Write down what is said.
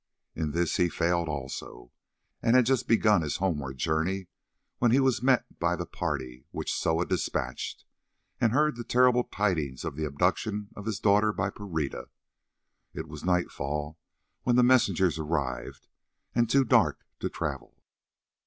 In this he failed also, and had just begun his homeward journey when he was met by the party which Soa despatched, and heard the terrible tidings of the abduction of his daughter by Pereira. It was nightfall when the messengers arrived, and too dark to travel.